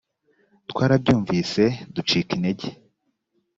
twarabyumvise ducika intege;